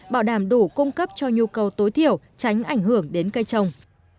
bảo đảm đủ cung cấp cho nhu cầu tối thiểu tránh ảnh hưởng đến cây trồng